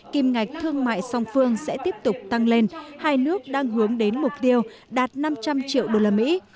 kim ngạch thương mại song phương sẽ tiếp tục tăng lên hai nước đang hướng đến mục tiêu đạt năm trăm linh triệu đô la mỹ